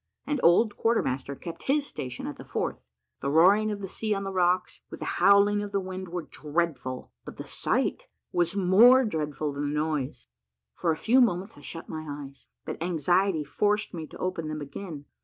An old quarter master kept his station at the fourth. The roaring of the sea on the rocks, with the howling of the wind, were dreadful; but the sight was more dreadful than the noise. For a few moments I shut my eyes, but anxiety forced me to open them again.